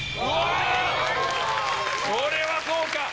これはそうか！